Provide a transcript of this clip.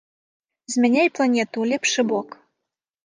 Змяняй планету ў лепшы бок!